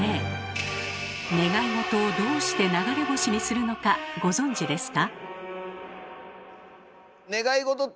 願いごとをどうして流れ星にするのかご存じですか？